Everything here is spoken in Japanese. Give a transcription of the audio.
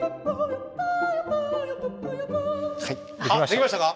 できましたか。